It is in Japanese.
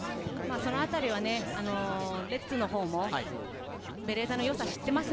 そのあたりはレッズのほうもベレーザの良さを知っています。